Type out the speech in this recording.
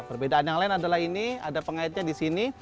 perbedaan yang lain adalah ini ada pengaitnya disini